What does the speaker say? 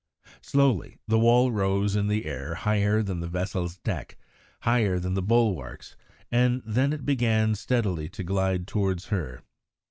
Slowly the wall rose in the air higher than the vessel's deck, higher than the bulwarks, and then it began steadily to glide towards her.